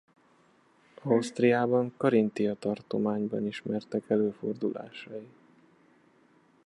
Ausztriában Karintia tartományban ismertek előfordulásai.